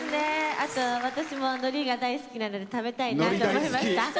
あと、私、のりが大好きなので食べたいなと思いました。